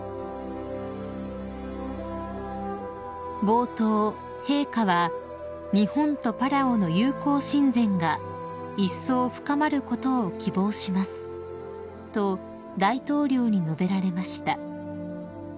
［冒頭陛下は「日本とパラオの友好親善がいっそう深まることを希望します」と大統領に述べられました］